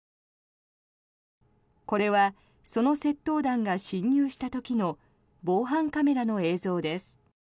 これはその窃盗団が侵入した時の防犯カメラの映像です。